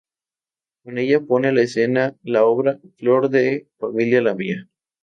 Con ella pone en escena la obra "¡Flor de familia la mía!